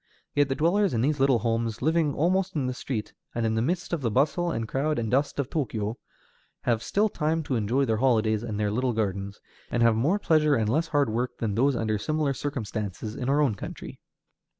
Yet the dwellers in these little homes, living almost in the street, and in the midst of the bustle and crowd and dust of Tōkyō, have still time to enjoy their holidays and their little gardens, and have more pleasure and less hard work than those under similar circumstances in our own country.